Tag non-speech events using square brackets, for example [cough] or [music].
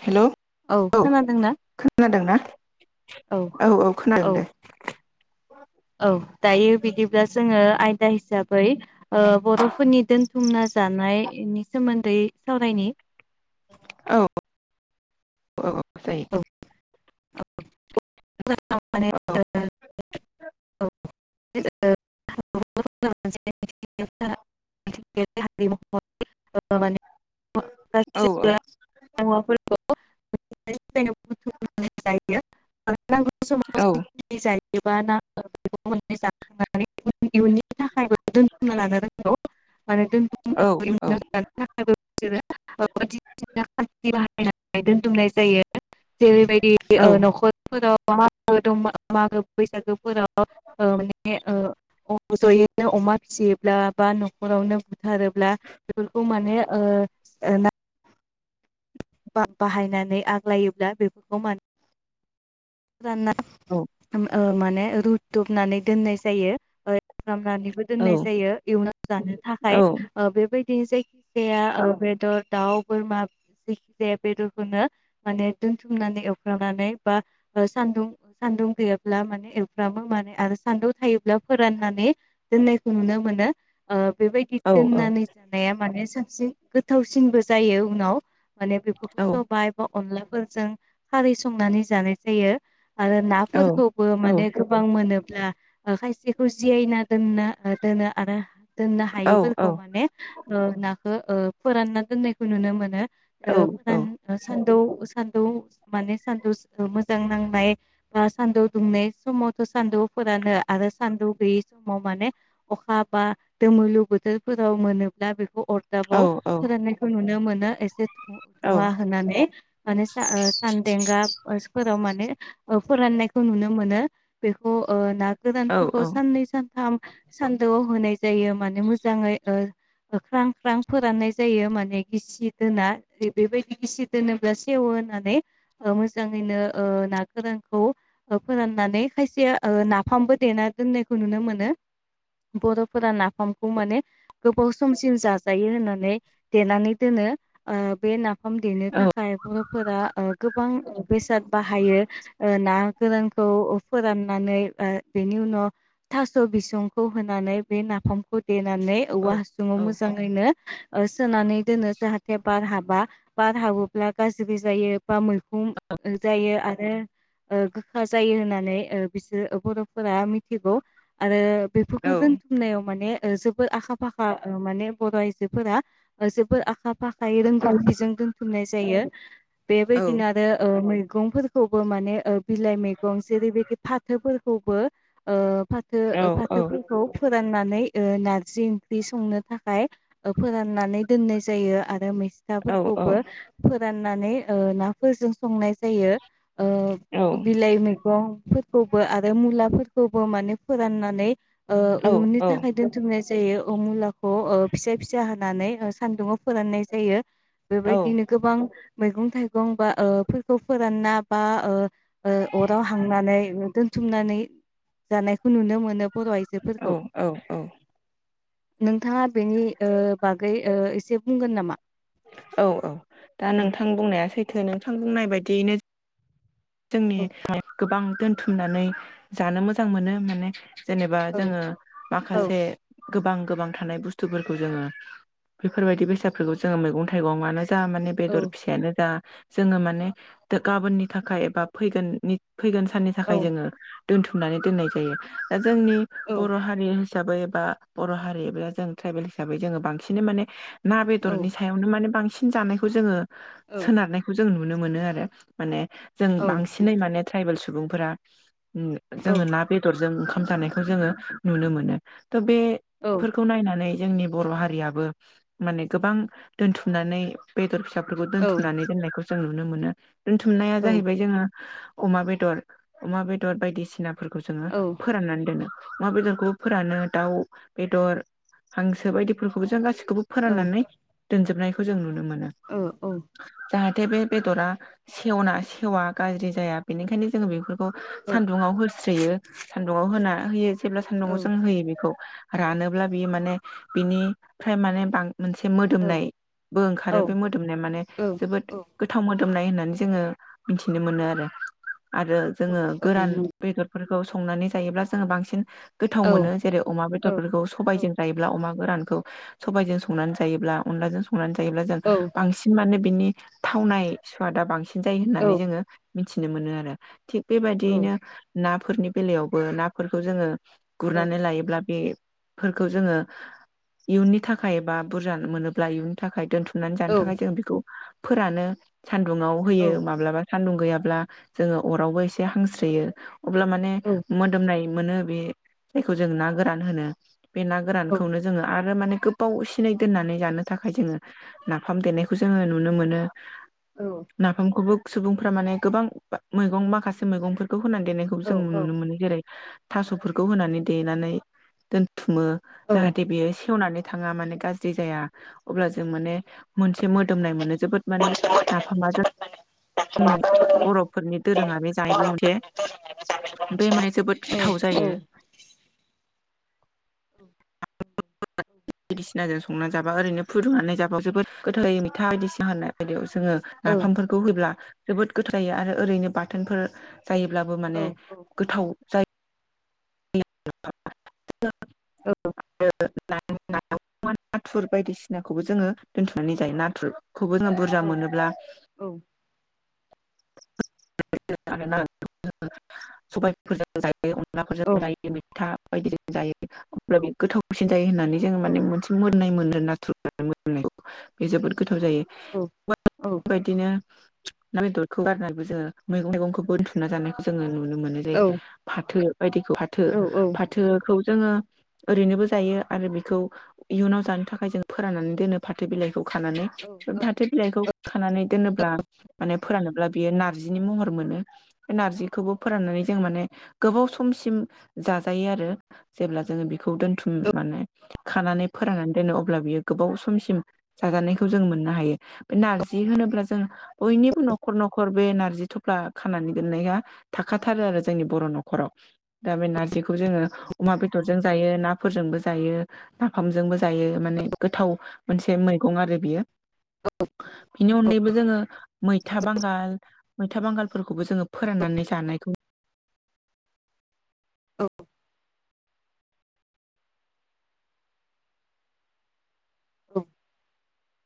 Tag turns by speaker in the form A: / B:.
A: Hello. औ खोनादोंना औ औ खोनादों दे।
B: औ। दायो बिदिब्ला जोङो दा हिसाबै ओ बर'फोरनि दोनथुमना जानायनि सोमोन्दै सावरायनि।
A: औ औ जायो।
B: [unintelligible] [unintelligible] [unintelligible] [unintelligible] नांगौ समाव
A: औ औ
B: [unintelligible] जायो। गोबा ना [unintelligible] [unintelligible] माने इयुननि थाखायबो दोनथुमना लानो रोंगौ। आरोदोनथु
A: औ
B: [unintelligible] थाखाय बिसोरो [unintelligible] नानै दोनथुमनाय जायो। जेरैबायदि
A: औ
B: नखरफोराव मागो दं मागो बैसागोफोराव ओ माने ओ जयैनो अमा फिसियोब्ला बा नखरावनो बुथारोब्ला बेफोरखौ माने ओ बाहायनानै आग्लायोब्ला बेफोरखौ मा
A: औ
B: [unintelligible] ओ माने रुदबनानै दोननाय जायो। लामनानैबो
A: औ
B: दोननाय जायो इयुनाव जानो थाखाय
A: औ
B: ओ बेबायदि [unintelligible] जायखिजाया आ बेदर दाउ बोरमा जायखि जाया बेदरखौनो माने दोनथुमनानै एवफ्रांनानै बा सान्दुं सान्दुं गैयाब्ला माने एवफ्रामो माने आरो सान्दुं थायोब्ला फोराननानै दोननायखौ नुनो मोनो। बेबायदि
A: औ औ
B: दोननानै जानाया माने साबसिन गोथावसिनबो जायो उनाव माने बेफोरखौ सबाइ [unintelligible] अनलाफोरजों खारै संनानै जानाय सोयो। आरो नाफोरखौबो माने गोबां मोनो। ब्ला आं खायसेखौ जियायना दोनना दोनो आरो दोननो हायैफोरखौ माने ओ नाखो ओ फोरानना दोननायखो नुनो मोनो। ओ फोदान ओ सान दौ सानदुं माने सानदुसखो मो जों नांनाय बा सानदौ दुंनाय समावथ'सानदौफोरानो आरो सानदौ गैयि समाव माने अखा बा दोमोलु बोथोरफोराव मोनोब्ला बे अ-अरदाबाव फोराननायखौ नुनो मोनो। ना एसे थ-थवा होननानै माने सा ओ सानदेंगा ओ फोरा माने फोराननायखौ नुनो मोनो बेखौ ओ ना‌ गोदानफोरखौ साननै सान थाम सान्दोआव होनाय जायो माने मोजाङै ओ ख्रां ख्रां फोराननाय जायो माने गिसि दोना बेबायदि गिसि दोनोब्ला सेवो होनानै मोजाङैनो ओ ना गोरानखौ ओ फोराननानै खायसेया ओ नाफामबो देना दोननायखौ नुनो मोनो बर'फोरा नाफामखौ माने गोबाव समसिम जाजायो होननानै देनानै दोनो ओ बे ना फाम देनो थाखाय बर'फोरा ओ गोबां बेसाद हायो ओ ना गोरानखौ ओ फोराननानै ओ बेनि उनाव थास' बिसंखौ होनानै बे नाफामखौ देनानै औवा हासुङाव
A: औ
B: मोजाङैनो ओ सोनानै दोनो जाहाथे बार हाब बा बार हाबोब्ला गाज्रि जायो। बा मैखुम यो आरो ओ गोखा जायो होननानै ओ बिसोरो बर'फोरा मिथिगौ आरो बेफोरखौ
A: औ
B: दोनथुमनायाव माने जोबो आखा-फाखा ओ माने बर'आइजोफोरा जोबो आखा आखा फाखायै रोंगौथिजों दोनथुमनाय जायो
A: औ
B: बेबायदिनो आरो मै गंफोरखौबो माने ओ बिलाइ मैगं जेरैबायदि फाथोफोरखौबो ओब फाथो फाथोफोरखौ फोरान नानै ओ नारजि ओंख्रि संनो थाखाय ओ फोराननानै दोननाय जायो आरो मै साफोरखौबो फोरान नानै ओ नाफोरजों संना जायो ओ बिलाइ मैगं फोरखौबो आरो मुलाफोरखौबो माने फोराननानै ओ इयुननि थाखाय दोनथुमनाय जायो ओ मुला खौ फिसा फिसा होनानै ओ सान्दुङाव फोराननाय जायो बेबायदिनो गोबां मैगं थाइगं बा ओ फोर खौ फोरानना बा ओ अराव हांनानै दोनथुमनानै जानायखौ नुनो मोनो। बर' आयजोफोरखौ। नोंथाङा बेनि ओ बागै ओ एसे बुंगोन नामा?
A: औ औ दा
B: औ
A: नोंथां बुंनाया सैथो नों थां बुंनाय बायदियैनो जोंनि
B: औ
A: गोबां दोनथुमनानै जानो मोजां मोनो माने जेनेबा
B: औ
A: जोङो
B: औ
A: माखासे गोबां गोबां थानाय बुस्थुफोरखौ जोङो बेफोरबायदि बेसादफोरखौ जोङो मैगं थाइगं आनो जा माने बेदर फिसायानो जा जोङो माने दो गाबोननि थाखाय बा फैगोन नि फैगोन साननि
B: औ
A: थाखाय जोङो दोनथुमनानै दोननाय जायो दा जोंनि
B: औ
A: बर' हारि हिस साबै बा बर' हारि एबा जों ट्राइबेल हिसाबै जोङो बांसिनै माने ना बेदरनि सायावनो माने बांसिन सिन जानायखौ जोङो
B: औ
A: सोनारनायखौ जों नु नुनो मोनो आरो माने जों बांसिनै माने ट्राइबेल सु बुंफोरा
B: औ
A: जोङो ना बेदरजों जानायखौ जोङो नुनो मोनो। थ' बे फोरखौ नायनानै जोंनि बर' हारियाबो माने गोबां दोनथुमनानै बेदर फिसा
B: औ
A: दोनथनानै दोननायखौ नुनोमोनो दोनथुम जाहैबाय जोङो अमा बेदर अमा बेदर बायदिसिना फोरखौ जोङो
B: औ
A: फोराननानै दोनो अमा बेदरखौबो फोरानो दाउ बेदर हांसो बायदिफोरखौबो जों गासिबो खौबो
B: औ
A: फोराननानै दोनजोबनायखौ जों नुनो मोनो। जाहाथे बे
B: नंगौ
A: बेदरा एवनासै थेवा गाज्रि जाया बेनिखायनो जोङो बेफोर खौ सान्दुंआव हो सोयो सान्दुंङाव होना होयो जेब्ला
B: औ
A: सान्दुंआव जों होयो बेखौ रानोब्ला बियो माने बिनिफ्राय माने बां मोनसे
B: औ
A: मोदोमनायबो
B: औ नंगौ औ
A: ओंखारो बे मोदोमनाया माने
B: औ औ
A: जोबोद गोथाव मोद दोमनाय होननानै जोङो मिथिनो मोनो आरो आरो जोङो गोरान बेदरफोर खौ संनानै जायोब्ला जोङो बांसिन गोथाव मोनो जेरै अमा बेदरफोरखौ सबायजों जायोब्ला अमा गोरान सबायजों संना‌नै जायोब्ला अनलाजों संनानै जायोब्ला जायोब्ला जों बांसिन माने बिनि थावनाय सुवादा बांसिन जायो होननानै मिथिनो मोनो आरो। थिग बेबायदियैनो ना फोरनि बेलायावबो नाफोरखौ जोङो गुरनानै लायोब्ला बे फोरखौ जोङो इयुननि थाखाय बा बुरजा मोनोब्ला इयुननि थाखाय दोनथु नानै जानो थाखाय जों बेखौ फोरानो सान्दुङाव होयो माब्लाबा सान्दुं गैयाब्ला जोङो अरावबो एसे हांस्रोयो अब्ला माने मोदोमनाय मोनो बे जायखौ जों ना गोरान होनो बे ना गोरानखौनो जोङो आरो माने गोबाव सिनै दोननानै जानो थाखाय जोङो नाफाम देनायखौ जोङो नुनो मोनो नाफामखौबो सुबुंफ्रा माने गोबां मैगं माखासे मैगंफोर खौ होनानै देनायखौबो
B: औ
A: जों
B: औ
A: नुनो मोनो जेरै थास'फोरखौ होनानै देनानै दोन थुमो
B: औ
A: जाहाथे बेयो सेवनानै थाङा माने गाज्रि जाया अब्ला जों माने मोनसे मोदोमनाय मोनो जोबोद माने नाफाम जों जोंनि बर'फोरनि दोरोङारि जानाय [unintelligible] बे माने जोबोद गोथाव
B: औ
A: जायो बायदिसिनाजों संना जाबा ओरैनो फुदुंनानै जाबाबो जोबोद गोथाव जायो मैथा बायदिसिना होनना बायदियाव जोङो
B: औ
A: नाफामफोरखौ होब्ला जोबोद गोथाव‌ जायो आरो ओरैनो बाथोनफोर जायोब्लाबो
B: औ
A: माने गोथाव जायो [unintelligible]
B: औ
A: [unintelligible] नाथुर बायदिसिनाखौबो जोङो दोन्थुमनानै जायो नाथुर खौबो जों
B: औ
A: बुरजा मोनोब्ला
B: औ
A: [unintelligible] सबायफोरजों जायो बे
B: औ
A: अनलाफोरजों जायो मैथा बायदि जों जायो अब्ला बे गोथावसिन जायो होननानै जोङो
B: औ
A: माने मोनसे मोननाय मोनो नाथुर [unintelligible] बे जोबोद गोथाव थाव जायो [unintelligible] बेबायदिनो [unintelligible] खौ गारनानैबो जोङो मैगं थाइगंखौ दोनथुमना जानायखौ जोङो नुनो मोन्नाय जायो फाथो बायदिखौ फाथो फाथोखौ जोङो ओरैनोबो जायो आरो बेखौ इयुनाव जानो थाखाय जों फोराननानै दोनो फाथो बिलाइखौ खानानै
B: औ औ
A: फाथो बिलाइखौ खानानै दोनोब्ला माने फोरान ब्ला बियो नार्जिनि महर मोनो बे नारजिखौबो फोराननानै जों माने गोबाव समसिम जाजायो आरो जेब्ला जोङो बेखौ दोनथुम माने खानानै फोराननानै दोनो अब्ला बियो गोबाव समसिम जाजानायखौ जों मोननो हायो बे नारजि होनोब्ला जों बयनिबो नख नखर नखर बे नारजि थफ्ला खानानै दोननाया थाखाथारो आरो जोंनि बर नखराव दा बे नारजिखौ जोङो अमा बेदरजों जायो नाफोरजोंबो जायो नाफामजोंबो जायो माने गोथाव मोनसे मैगं आरो बियो। बिनि अनगायैबो जोङो मै था बांगाल मैथा बांगाल। फोरखौबो जोङो फोराननानै जानायखौ
B: औ।